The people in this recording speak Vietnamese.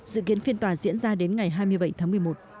dự kiến phiên tòa diễn ra đến ngày hai mươi bảy tháng một mươi một